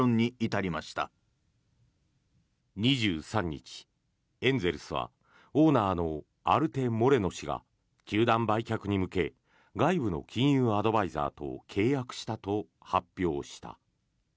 ２３日、エンゼルスはオーナーのアルテ・モレノ氏が球団売却に向け外部の金融アドバイザーと契約したと発表した。